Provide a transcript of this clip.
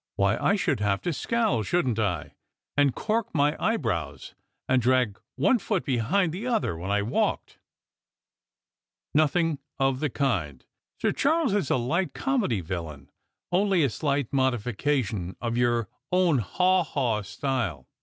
Why, I should have to scowl, shouldn't I, and cork my eyebrows, and drag one foot beliind the other when I walked ?"" Nothing of the kind. Sir Charles is a hght comedy villain ; only a slight modification of your own haw haw style.